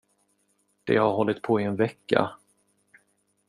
Det har hållit på i en vecka.